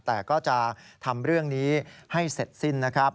แต่ก็จะทำเรื่องนี้ให้เสร็จสิ้นนะครับ